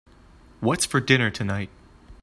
What's for dinner tonight?